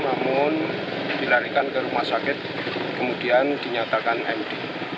namun dilarikan ke rumah sakit kemudian dinyatakan md